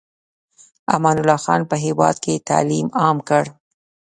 امان الله خان په هېواد کې تعلیم عام کړ.